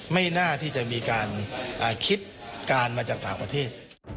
ไม่น่าที่จะมีการคิดการมาจากต่างประเทศ